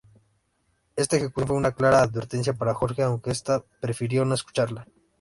Esta ejecución fue una clara advertencia para Jorge, aunque este prefirió no escucharla.